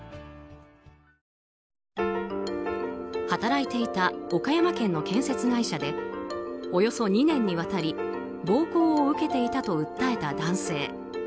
働いていた岡山県の建設会社でおよそ２年にわたり暴行を受けていたと訴えた男性。